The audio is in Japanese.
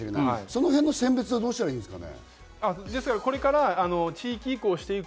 そのへんの選別をどうしたらいいですか？